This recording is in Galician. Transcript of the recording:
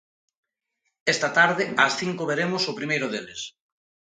Esta tarde, ás cinco veremos o primeiro deles.